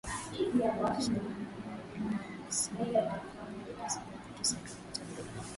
Halmashauri ya Wilaya Missenyi elfu mbili mia saba na tisa na kilometa mbili